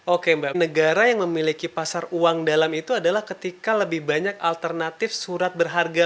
oke mbak negara yang memiliki pasar uang dalam itu adalah ketika lebih banyak alternatif surat berharga